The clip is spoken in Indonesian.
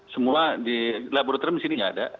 semua di laboratorium di sini nggak ada